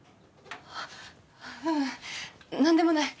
ううん。何でもない。